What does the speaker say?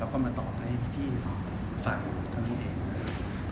แล้วก็มาตอบให้พี่ฝ่ายตัวนี้เอง